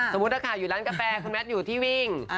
สมมุตินะคะอยู่ร้านกาแปรคุณแมทอยู่ที่วิ่ง